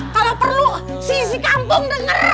kalau perlu si isi kampung denger